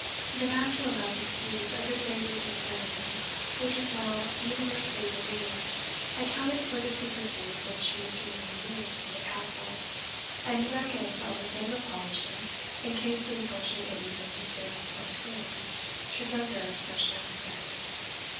The natural enough excuse of his lady's insanity, which was now universally believed, accounted for the secrecy with which she was to be removed from the Castle, and he reckoned on the same apology in case the unfortunate Amy's resistance or screams should render such necessary.